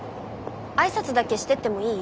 挨拶だけしてってもいい？